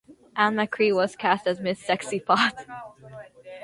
Ann McCrea was cast as "Miss Sexy Pot".